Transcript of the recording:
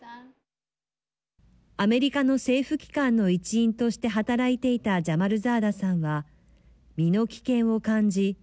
アメリカの政府機関の一員として働いていたジャマルザーダさんは身の危険を感じ